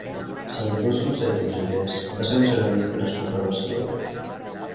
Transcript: Salvador Sunet Urgellès va ser un ceramista nascut a Barcelona.